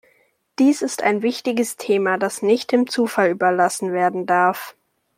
Dies ist ein wichtiges Thema, das nicht dem Zufall überlassen werden darf.